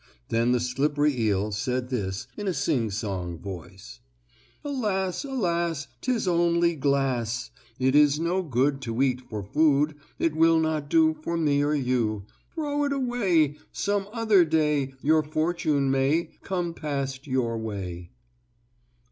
Then the slippery eel said this in a sing song voice: "Alas, alas, 'Tis only glass. It is no good To eat for food. It will not do For me or you. Throw it away; Some other day Your fortune may Come past your way."